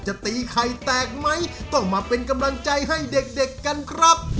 จะตีไข่แตกไหมต้องมาเป็นกำลังใจให้เด็กเด็กกันครับ